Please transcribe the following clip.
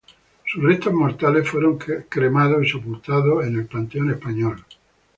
Sus restos mortales fueron cremados y sepultados en el Panteón Español.